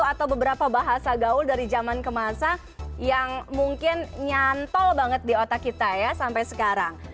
atau beberapa bahasa gaul dari zaman ke masa yang mungkin nyantol banget di otak kita ya sampai sekarang